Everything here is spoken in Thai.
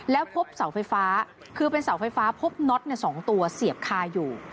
แล้วพบเสาไฟฟ้าคือเป็นเสาไฟฟ้าพบน็อต๒ตัวเสียบคาอยู่